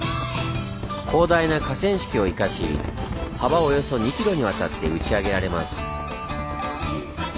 広大な河川敷を生かし幅およそ２ｋｍにわたって打ち上げられます。